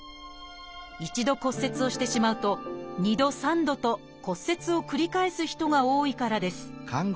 １度骨折をしてしまうと２度３度と骨折を繰り返す人が多いからです